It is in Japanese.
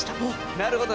なるほど。